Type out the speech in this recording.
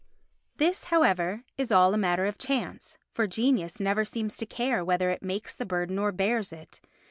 This, however, is all a matter of chance, for genius never seems to care whether it makes the burden or bears it.